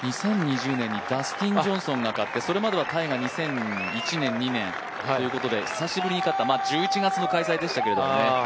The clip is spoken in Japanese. ２０２０年にダスティン・ジョンソンが勝って、それまではタイガーが２００１年、２００２年、久しぶりに勝った、１１月の開催でしたけれどもね。